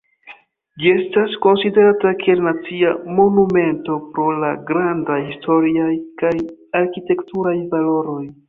Ĝi estas konsiderata kiel nacia monumento pro la grandaj historiaj kaj arkitekturaj valoroj.